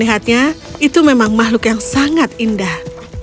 lihatnya itu memang mahluk yang sangat indah